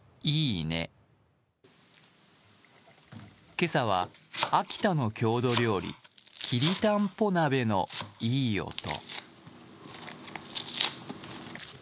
今朝は、秋田の郷土料理きりたんぽ鍋のいい音。